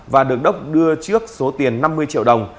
và được đốc đưa trước số tiền năm mươi triệu đồng